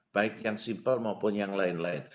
baik yang simple maupun yang lain lain